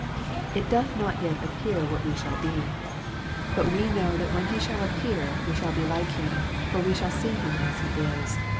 " It doth not yet appear what we shall be ; but THE REAL PRESENCE. 209 we know that when He shall appear we shall be like Him, for we shall see Him as He is."